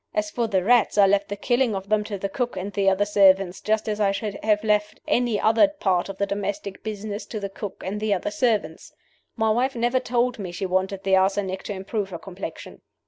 As for the rats, I left the killing of them to the cook and the other servants, just as I should have left any other part of the domestic business to the cook and the other servants. "My wife never told me she wanted the arsenic to improve her complexion.